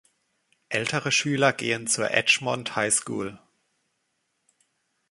Ältere Schüler gehen zur Edgemont High School.